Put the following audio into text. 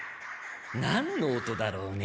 なんの音だろうね。